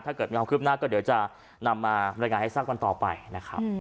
ถ้าเกิดมีความคิดขึ้นหน้าก็เดี๋ยวจะนำมารายงานให้ซักมันต่อไปนะครับ